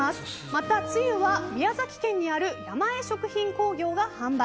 また、つゆは宮崎県にあるヤマエ食品工業が販売。